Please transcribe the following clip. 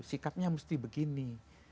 sikapnya mesti begini